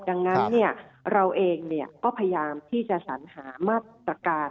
ดังนั้นเราเองก็พยายามที่จะสัญหามาตรการ